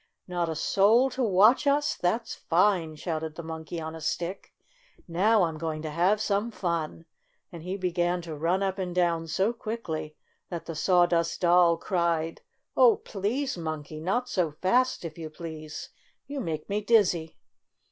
" Not a soul to watch us ? That 's fine !'' shouted the Monkey on a Stick. "Now I'm going to have some fun!" and he began to run up and down so quickly that the Saw dust Doll cried : FUN IN TOY TOWN 7 "Oh, please, Monkey! Not so fast, if you please ! You make me dizzy